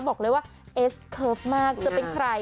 บอกเลยว่าเอสเคิร์ฟมากจะเป็นใคร